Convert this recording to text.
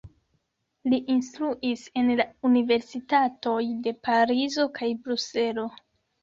Li instruis en la universitatoj de Parizo kaj Bruselo.